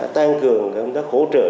tăng cường đã hỗ trợ